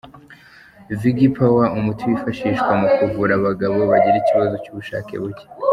Vigpower, umuti wifashishwa mu kuvura abagabo bagira ikibazo cy’ubushake buke.